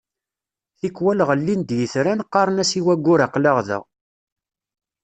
Tikwal ɣellin-d yitran qqaren as i waggur aql-aɣ da.